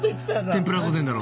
「天ぷら御膳」だろ？